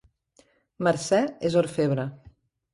Mercè és orfebre